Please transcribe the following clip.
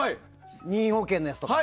任意保険のやつとか。